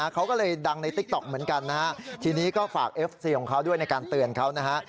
เขาก็เลยดังในติ๊กต๊อกเหมือนกันนะฮะทีนี้ก็ฝากเอฟซีของเขาด้วยในการเตือนเขานะฮะ